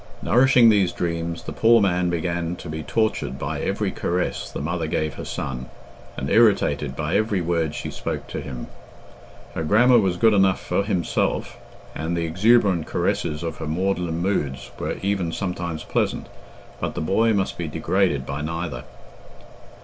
Nourishing these dreams, the poor man began to be tortured by every caress the mother gave her son, and irritated by every word she spoke to him. Her grammar was good enough for himself, and the exuberant caresses of her maudlin moods were even sometimes pleasant, but the boy must be degraded by neither.